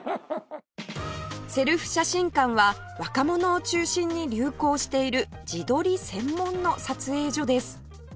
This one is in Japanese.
セルフ写真館は若者を中心に流行している自撮り専門の撮影所です